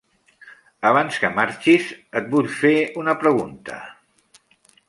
Abans que marxis, et vull fer una pregunta.